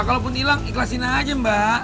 kalaupun hilang ikhlasin aja mbak